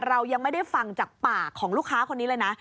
เรายังไม่ได้ฟังจากปากของลูกค้าคนนี้เลยนะ